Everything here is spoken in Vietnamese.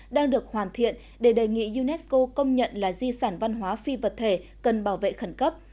đang được hoàn thiện để đề nghị unesco công nhận là di sản văn hóa phi vật thể cần bảo vệ khẩn cấp